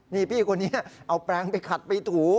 นี่พี่คนนี้เอาแปลงไปขัดไปถู